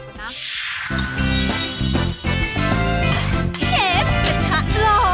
เชฟการะทาร่อ